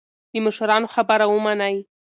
د مشرانو خبره ومنئ.